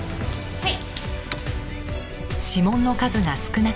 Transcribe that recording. はい。